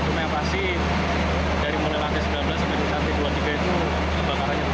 tapi yang pasti dari mulai lantai sembilan belas hingga lantai dua puluh tiga itu kebakarannya terjadi